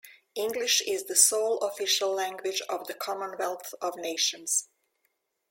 English is the sole official language of the Commonwealth of Nations.